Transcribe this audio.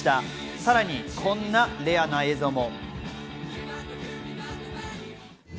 さらに、こんなレアな映像も。